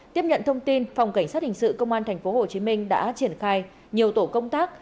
tiếp nhận thông tin phòng cảnh sát hình sự công an tp hcm đã triển khai nhiều tổ công tác